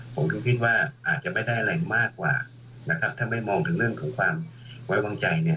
ผมถึงคิดว่าอาจจะไม่ได้อะไรมากกว่านะครับถ้าไม่มองถึงเรื่องของความไว้วางใจเนี่ย